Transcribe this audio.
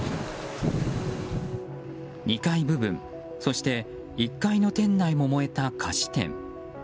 ２階部分そして１階の店内も燃えた菓子店。